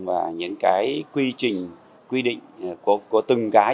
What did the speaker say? và những cái quy trình quy định của từng cái